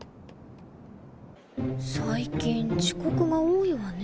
最近遅刻が多いわね